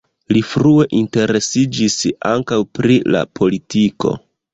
Li frue interesiĝis ankaŭ pri la politiko.